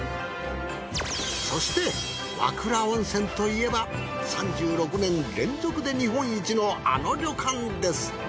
そして和倉温泉といえば３６年連続で日本一のあの旅館です。